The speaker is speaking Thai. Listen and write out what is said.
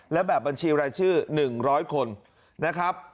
และแบบบัญชีรายชื่อ๑๐๐คนนะครับ